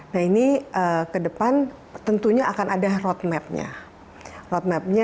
nah ini ke depan tentunya akan ada roadmapnya